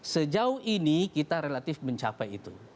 sejauh ini kita relatif mencapai itu